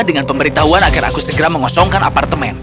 dengan pemberitahuan agar aku segera mengosongkan apartemen